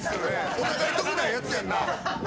お互い、得ないやつやんな。